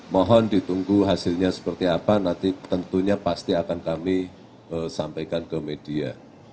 mohon ditunggu hasilnya seperti apa nanti tentunya pasti akan kami sampaikan ke media